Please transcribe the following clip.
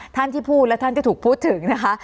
ท่านที่พูดและท่านก็ถูกพูดถึงนะคะ